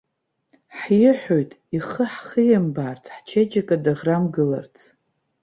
Ҳиҳәоит, ихы ҳхимбаарц, ҳчеиџьыка даӷрамгыларц.